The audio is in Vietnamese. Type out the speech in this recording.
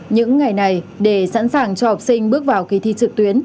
những ngày này để sẵn sàng cho học sinh bước vào kỳ thi trực tuyến